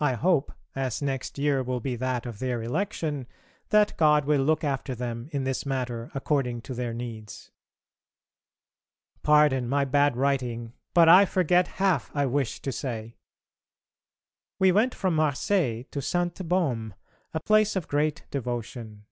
I hope, as next year will be that of their election, that God will look after them in this matter according to their needs. Pardon my bad writing, but I forget half I wish to say. We went from Marseilles to Sainte Baume, a place of great devotion.